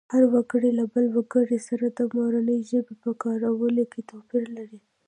هر وګړی له بل وګړي سره د مورنۍ ژبې په کارولو کې توپیر لري